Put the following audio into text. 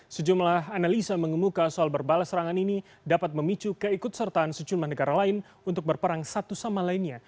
sejumlah analisa mengemuka soal berbalas serangan ini dapat memicu keikut sertaan sejumlah negara lain untuk berperang satu sama lainnya